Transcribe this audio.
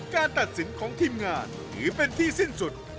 ตัดสินของทีมงานถือเป็นที่สิ้นสุด